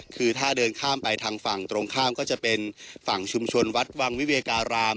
คือถ้าเดินข้ามไปทางฝั่งตรงข้ามก็จะเป็นฝั่งชุมชนวัดวังวิเวการาม